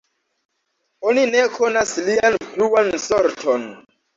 Oni ne konas lian pluan sorton.